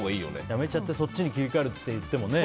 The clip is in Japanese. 辞めちゃってそっちに切り替えるといってもね。